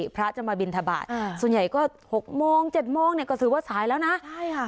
ครับส่วนใหญ่ก็หกโมงเจ็ดโมงเนี่ยก็สืบว่าสายแล้วน่ะใช่อ่ะ